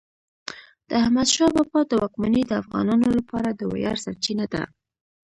د احمدشاه بابا واکمني د افغانانو لپاره د ویاړ سرچینه ده.